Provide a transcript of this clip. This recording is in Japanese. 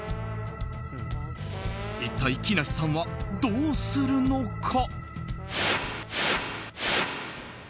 一体木梨さんはどうするのか。